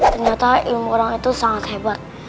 ternyata ilmu orang itu sangat hebat